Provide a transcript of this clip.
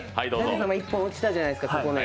舘様１本落ちたじゃないですか。